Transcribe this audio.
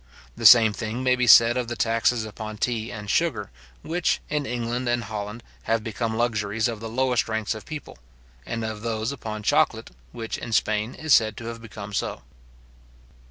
The same thing maybe said of the taxes upon tea and sugar, which, in England and Holland, have become luxuries of the lowest ranks of people; and of those upon chocolate, which, in Spain, is said to have become so.